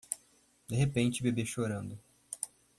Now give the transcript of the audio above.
De repente bebê chorando